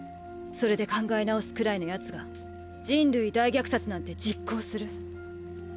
それで考え直すくらいの奴が人類大虐殺なんて実行する？